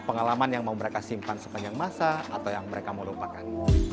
pengalaman yang mau mereka simpan sepanjang masa atau yang mereka mau lupakan